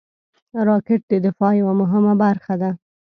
راکټ د دفاع یوه مهمه برخه ده